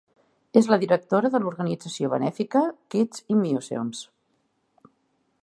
És la directora de l'organització benèfica Kids in Museums.